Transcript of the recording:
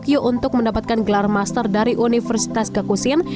atau di tokyo untuk mendapatkan gelar master dari universitas gakushin